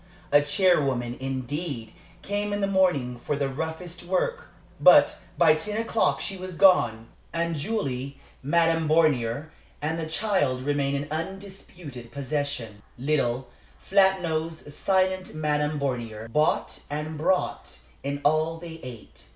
A charwoman, indeed, came in the morning for the roughest work, but by ten o'clock she was gone, and Julie, Madame Bornier, and the child remained in undisputed possession. Little, flat nosed, silent Madame Bornier bought and brought in all they ate.